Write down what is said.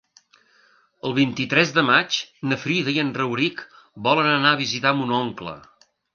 El vint-i-tres de maig na Frida i en Rauric volen anar a visitar mon oncle.